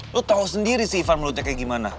lo tau sendiri sih ivan melutnya kayak gimana